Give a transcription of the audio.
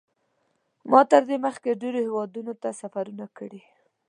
ما تر دې مخکې ډېرو هېوادونو ته سفرونه کړي.